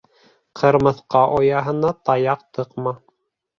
Ҡырмыҫҡа ояһына таяҡ тыҡма.